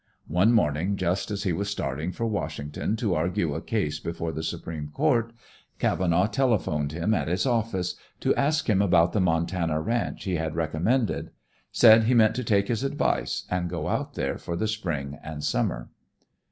One morning, just as he was starting for Washington to argue a case before the Supreme Court, Cavenaugh telephoned him at his office to ask him about the Montana ranch he had recommended; said he meant to take his advice and go out there for the spring and summer.